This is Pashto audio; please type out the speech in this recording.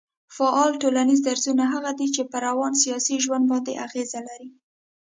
فعاله ټولنيز درځونه هغه دي چي پر روان سياسي ژوند باندي اغېز لري